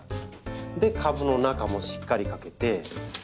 で株の中もしっかりかけて。